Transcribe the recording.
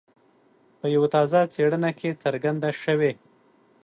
په یوه تازه څېړنه کې څرګنده شوي.